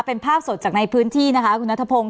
เป็นภาพสดจากในพื้นที่นะคะคุณนัทพงศ